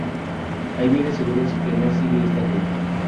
Hay bienes seguros que no siguen esta ley.